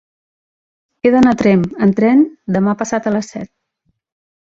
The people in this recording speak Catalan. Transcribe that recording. He d'anar a Tremp amb tren demà passat a les set.